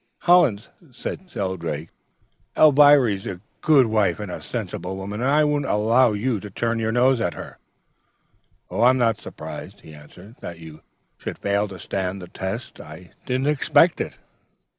"'Hollins,' said Shelldrake, 'Elviry's a good wife and a sensible woman, and I won't allow you to turn up your nose at her.' "'I am not surprised,' he answered, 'that you should fail to stand the test. I didn't expect it.'